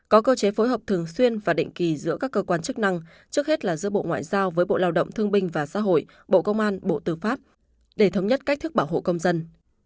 có cơ chế phối hợp thường xuyên và định kỳ giữa các cơ quan chức năng trước hết là giữa bộ ngoại giao với bộ lao động thương binh và xã hội bộ công an bộ tư pháp để thống nhất cách thức bảo hộ công dân